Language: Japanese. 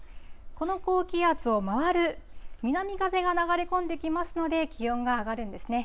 この高気圧を回る南風が流れ込んできますので、気温が上がるんですね。